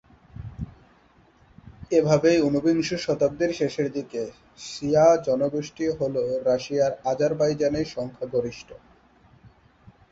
এভাবেই, ঊনবিংশ শতাব্দীর শেষের দিকে, শিয়া জনগোষ্ঠী ছিল রাশিয়ার আজারবাইজানে সংখ্যাগরিষ্ঠ।